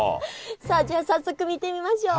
さあじゃあ早速見てみましょう。